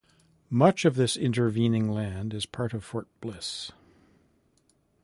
Much of this intervening land is part of Fort Bliss.